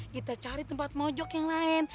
kita cari tempat mojok yang lain